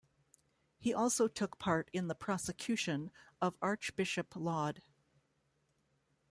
He also took part in the prosecution of Archbishop Laud.